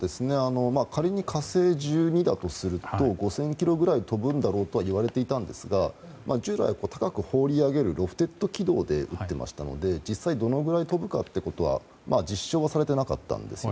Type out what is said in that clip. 仮に「火星１２」だとすると５０００ｋｍぐらい飛ぶんだろうとはいわれていたんですが従来、高く放り上げるロフテッド軌道で撃っていたので実際、どのくらい飛ぶかは実証されていなかったんですね。